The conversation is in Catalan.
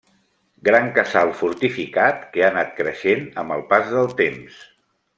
Gran casal fortificat que ha anat creixent amb el pas del temps.